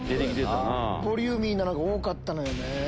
ボリューミーなのが多かったのよね。